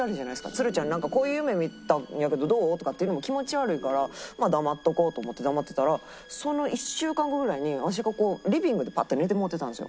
つるちゃんに「なんかこういう夢見たんやけどどう？」とかって言うのも気持ち悪いから黙っとこうと思って黙ってたらその１週間後ぐらいに私がこうリビングでパッと寝てもうてたんですよ。